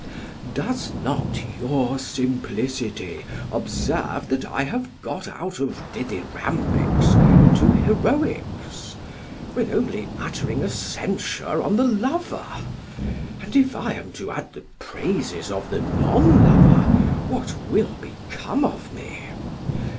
SOCRATES: Does not your simplicity observe that I have got out of dithyrambics into heroics, when only uttering a censure on the lover? And if I am to add the praises of the non lover what will become of me?